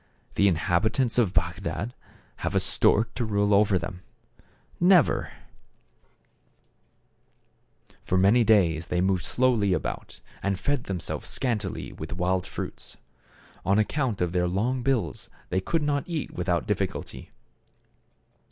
The inhabitants of Bagdad have a stork to rule over them ? Never ! For many days they moved slowly about, and fed themselves scantily with wild fruits. On account of their long bills they could not eat without difficulty.